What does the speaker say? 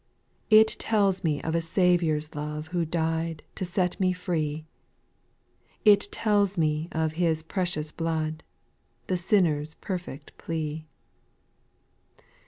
2. It tells me of a Saviour's love Who died to set me free ; It tells me of His precious blood, The sinner's perfect plea.